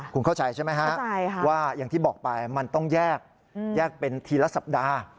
คุณเข้าใจใช่ไหมฮะว่าอย่างที่บอกไปมันต้องแยกแยกเป็นทีละสัปดาห์